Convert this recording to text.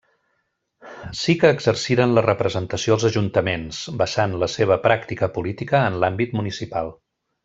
Sí que exerciren la representació als ajuntaments, basant la seva pràctica política en l'àmbit municipal.